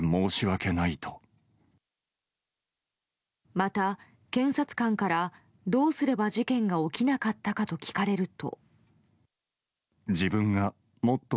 また検察官から、どうすれば事件が起きなかったかと聞かれると。